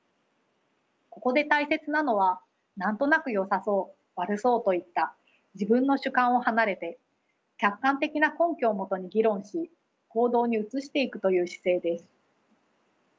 ここで大切なのは何となくよさそう悪そうといった自分の主観を離れて客観的な根拠をもとに議論し行動に移していくという姿勢です。